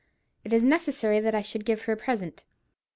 "It is necessary that I should give her a present."